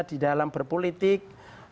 di dalam berpolitik